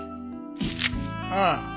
ああ。